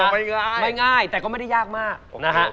ไม่ง่ายไม่ง่ายแต่ก็ไม่ได้ยากมากนะฮะ